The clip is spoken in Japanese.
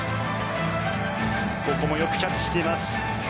ここもよくキャッチしています。